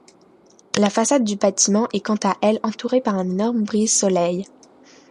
La façade du bâtiment est quant à elle entourée par un énorme brise-soleil.